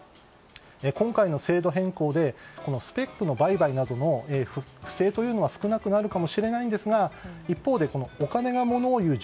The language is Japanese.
今回の制度変更でスペックの売買などの不正というのは少なくなるかもしれないんですが一方でお金がものをいう